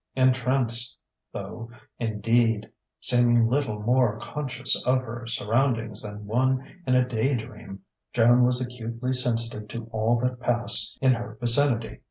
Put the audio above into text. Entranced though, indeed, seeming little more conscious of her surroundings than one in a day dream, Joan was acutely sensitive to all that passed in her vicinity.